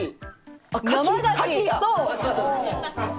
そう！